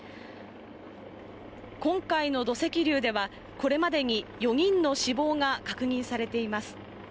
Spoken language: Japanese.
今回の土石流では、これまでに４人の死亡が確認されています。